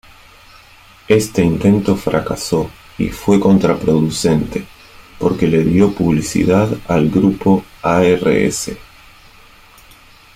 Este intento fracasó y fue contraproducente, porque le dio publicidad al grupo a.r.s.